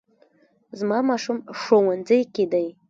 زما ماشوم ښوونځي کې دی